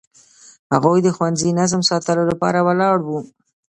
هغوی د ښوونځي نظم ساتلو لپاره ولاړ وو.